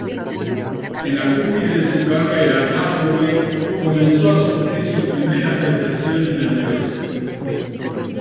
En la cúspide de su carrera, Hathaway comenzó a sufrir sus primeras depresiones nerviosas.